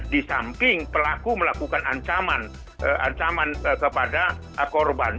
di samping pelaku melakukan ancaman kepada korban